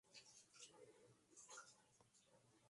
Comienza la aventura para todos en la isla, incluso para el rey.